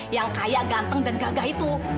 yang kaya ganteng dan gagah itu